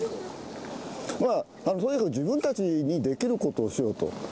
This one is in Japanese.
とにかく自分たちにできることをしようと。